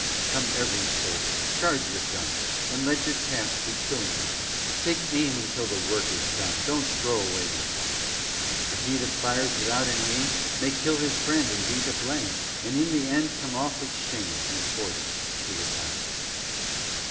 Come every soldier charge your gun, And let your task be killing one; Take aim until the work is done; Don't throw away your fire, For he that fires without an aim, May kill his friend and be to blame, And in the end come off with shame, When forced to retire.